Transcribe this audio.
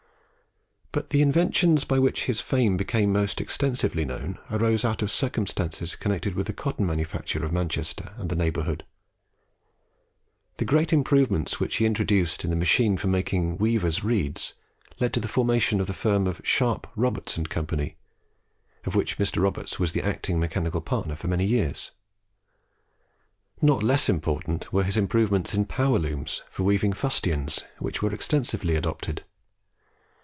But the inventions by which his fame became most extensively known arose out of circumstances connected with the cotton manufactures of Manchester and the neighbourhood. The great improvements which he introduced in the machine for making weavers' reeds, led to the formation of the firm of Sharp, Roberts, and Co., of which Mr. Roberts was the acting mechanical partner for many years. Not less important were his improvements in power looms for weaving fustians, which were extensively adopted.